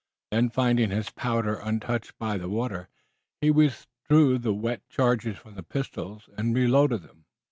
Then, finding his powder untouched by the water, he withdrew the wet charges from the pistols and reloaded them.